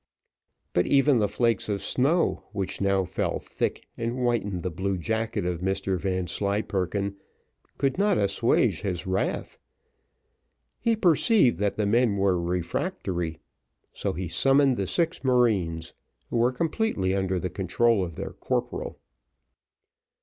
But even the flakes of snow, which now fell thick, and whitened the blue jacket of Mr Vanslyperken, could not assuage his wrath he perceived that the men were refractory, so he summoned the six marines who were completely under the control of their corporal.